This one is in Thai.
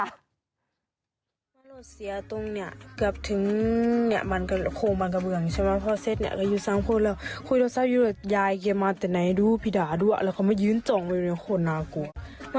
พี่เนี่ยเกือบถึงโคมันกระเบืองใช่ไหม